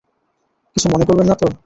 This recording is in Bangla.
কিছু মনে করবেন না তো?